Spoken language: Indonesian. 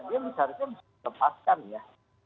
dia bisa di lepaskan ya